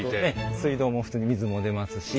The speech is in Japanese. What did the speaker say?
水道も普通に水も出ますし。